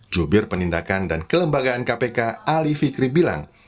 jubir penindakan dan kelembagaan kpk ali fikri bilang